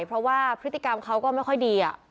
เพราะว่าพฤติกรรมเขาก็ไม่ค่อยดี